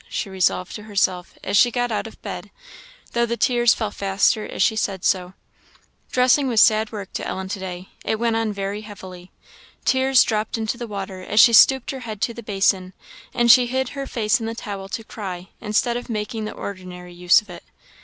she resolved to herself as she got out of bed, though the tears fell faster as she said so. Dressing was sad work to Ellen to day; it went on very heavily. Tears dropped into the water as she stooped her head to the basin; and she hid her face in the towel to cry, instead of making the ordinary use of it.